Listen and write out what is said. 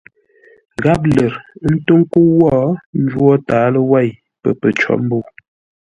Gháp lər, ə́ ntó ńkə́u wó ńjwó tǎaló wêi pə̌ pə̂ cǒ mbə̂u.